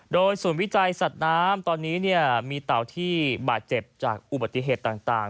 โดยส่วนวิจัยสนามตอนนี้เนี่ยมีเต่าที่บาดเจ็บจากอุปถิเหตุต่าง